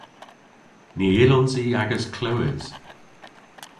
Ny yllons i agas klewes.